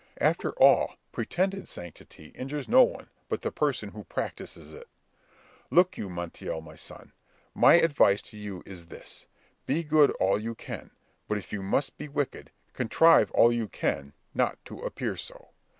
After all, pretended sanctity injures no one but the person who practises it. Look you, Montiel, my son, my advice to you is this: be good all you can; but if you must be wicked, contrive all you can not to appear so.